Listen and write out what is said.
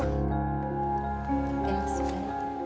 terima kasih nurdin